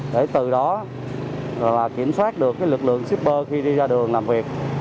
để từ đó kiểm soát được lực lượng shipper khi đi ra đường làm việc